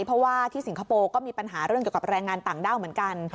เพราะว่าที่สิงคโปร์ก็มีปัญหาเรื่องเกี่ยวกับแรงงานต่างด้าวเหมือนกัน